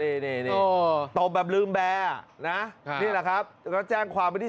อ่าอยู่ท่าเดินตบแบบลื้มแบร์อ่านี่แหละครับแต่ก็จะแจ้งความที่